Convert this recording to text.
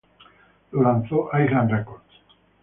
Lo lanzó Island Records.